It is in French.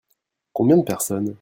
Combien de personnes ?